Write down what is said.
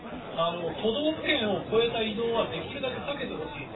都道府県を越えた移動はできるだけ避けてほしいと。